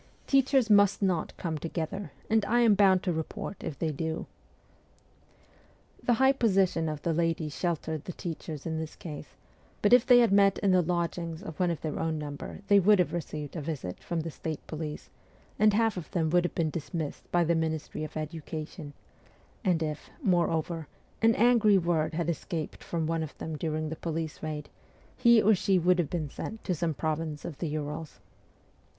Teachers must not come together, and I am bound to report if they do.' The high position of the lady sheltered the teachers in this case ; but if they had met in the lodgings of one of their own number they would have received a visit from the state police, and half of them would have been dismissed by the Ministry of Education ; and if, more over, an angry word had escaped from one of them during the police raid, he or she would have been sent to some province of the Urals.